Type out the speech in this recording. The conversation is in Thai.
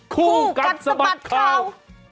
คู่กัดสะบัดข่าว